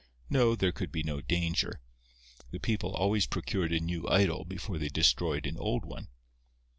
No, there could be no danger. The people always procured a new idol before they destroyed an old one.